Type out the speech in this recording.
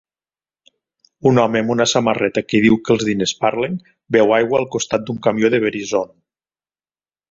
Un home amb una samarreta que diu que els diners parlen, beu aigua al costat d'un camió de Verizon.